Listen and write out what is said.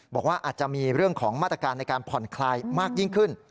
บอกว่าอาจจะมีเรื่องของมาตรการในการผ่อนคลายมากยิ่งขึ้น